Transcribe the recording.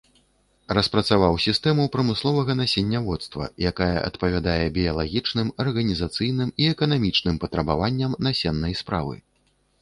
Распрацаваў сістэму прамысловага насенняводства, якая адпавядае біялагічным, арганізацыйным і эканамічным патрабаванням насеннай справы.